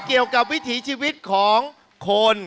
เกี่ยวกับวิถีชีวิตของคน